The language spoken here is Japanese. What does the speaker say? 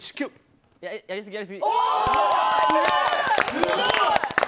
すごい。